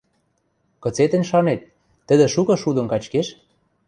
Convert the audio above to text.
Кыце тӹнь шанет, тӹдӹ шукы шудым качкеш?